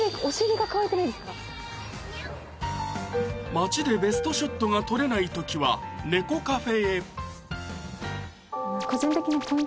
町でベストショットが撮れない時は猫カフェへ！